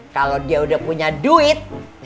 kalau dia udah punya duit